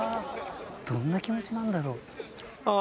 どんな気持ちなんだろうああ